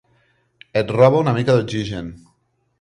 Et robo una mica d'oxigen.